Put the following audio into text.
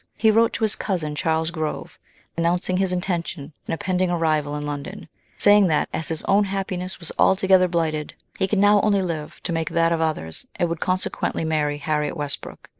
He wrote to his cousin, Charles Grove, announcing his intention and impending arrival in London, saying that as his own happiness was alto gether blighted, he could now only live to make that of others, and would consequently marry Harriet Westbrook.